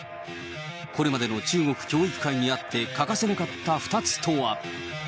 これまでの中国教育界にあって欠かせなかった２つとは。